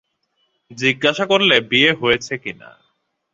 জিজ্ঞাসা করলে বিয়ে হয়েছে কি না।